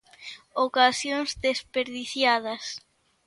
Ocasións desperdiciadas.